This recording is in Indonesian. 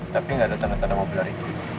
tapi gak ada tanda tanda mobilnya ricky